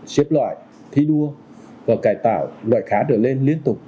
chếp loại thi đua và cải tạo loại khá trở lên liên tục